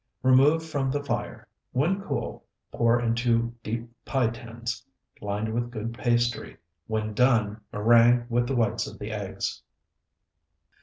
Remove from the fire; when cool, pour into deep pie tins, lined with good pastry. When done, meringue with the whites of the eggs.